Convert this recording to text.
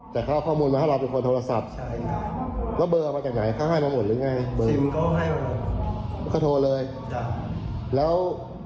แล้วเราหลอกเขาจะช่วยเรื่องอะไรนะลืมไปแล้ว